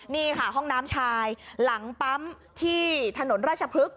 นี่ค่ะห้องน้ำชายหลังปั๊มที่ถนนราชพฤกษ